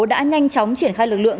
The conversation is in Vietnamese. đã nhanh chóng triển khai lực lượng